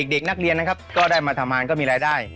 เด็กนักเรียนนะครับก็ได้มาทำงานก็มีรายได้